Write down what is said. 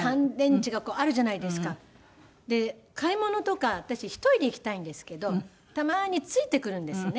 で買い物とか私１人で行きたいんですけどたまについてくるんですね。